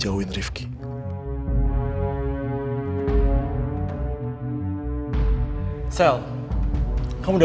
amoahal gerak lagi